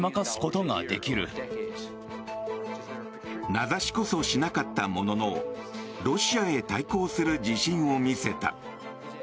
名指しこそしなかったもののロシアへ対抗する自信を見せた。